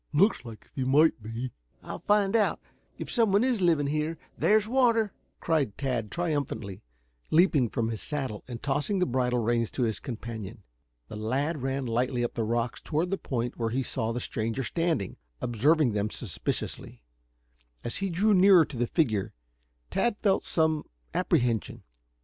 Looks as if he might be." "I'll find out. If some one is living here, there's water," cried Tad triumphantly, leaping from his saddle and tossing the bridle reins to his companion. The lad ran lightly up the rocks toward the point where he saw the stranger standing, observing them suspiciously. As he drew nearer to the figure, Tad felt some apprehension.